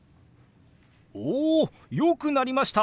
およくなりました！